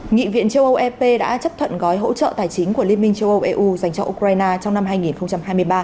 nghị viện châu âu ep đã chấp thuận gói hỗ trợ tài chính của liên minh châu âu eu dành cho ukraine trong năm hai nghìn hai mươi ba